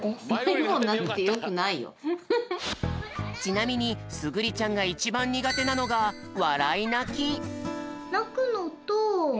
ちなみにすぐりちゃんがいちばんにがてなのがわらいなき。